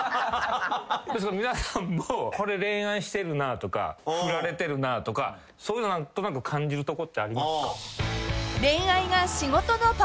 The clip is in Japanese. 皆さんも恋愛してるなとかフラれてるなとかそういうの感じるとこってありますか？